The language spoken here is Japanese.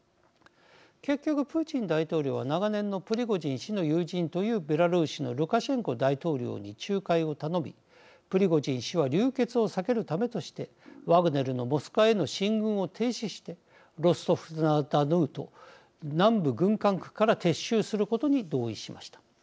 結局プーチン大統領は長年のプリゴジン氏の友人というベラルーシのルカシェンコ大統領に仲介を頼みプリゴジン氏は流血を避けるためとしてワグネルのモスクワへの進軍を停止してロストフ・ナ・ドヌーと南部軍管区から撤収することに同意しました。